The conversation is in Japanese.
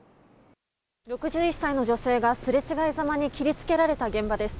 ６１歳の女性がすれ違いざまに切りつけられた現場です。